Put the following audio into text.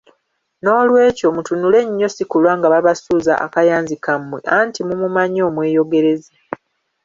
N'olwekyo mutunule nnyo si kulwa nga babasuuza akayanzi kammwe, anti mumumanyi omweyogereze!